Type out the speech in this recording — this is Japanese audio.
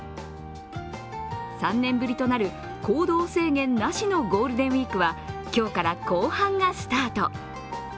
３年ぶりとなる行動制限なしのゴールデンウイークは今日から後半がスタート。